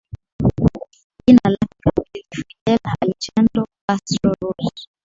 Jina lake kamili ni Fidel Alejandro Castro Ruz